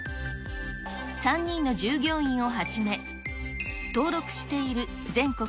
３人の従業員をはじめ、登録している全国